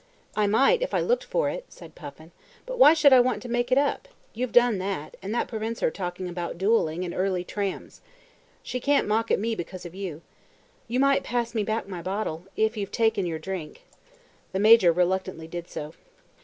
"I might if I looked for it," said Puffin. "But why should I want to make it up? You've done that, and that prevents her talking about duelling and early trams. She can't mock at me because of you. You might pass me back my bottle, if you've taken your drink." The Major reluctantly did so.